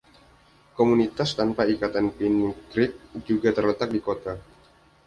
Komunitas tanpa ikatan Pine Creek juga terletak di kota.